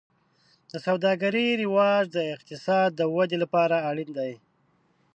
د سوداګرۍ رواج د اقتصاد د ودې لپاره اړین دی.